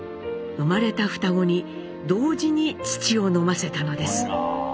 生まれた双子に同時に乳を飲ませたのです。